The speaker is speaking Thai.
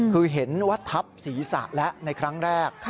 คือเห็นว่าทับศีรษะแล้วในครั้งแรก